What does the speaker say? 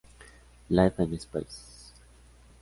Live in Space!